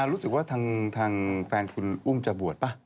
รู้สึกว่าทางแฟนคุณอุ้มจะบวชป่ะ